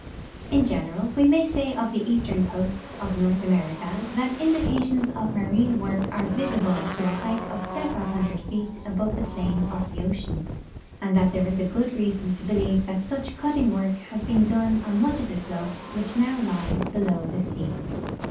In general, we may say of the eastern coasts of North America that indications of marine Avork are visible to a height of several hundred feet above the i)lane of the ocean, and that there is good reason to believe that such cutting Avork has been done on much of the slope Avhich noAV lies beloAV the sea.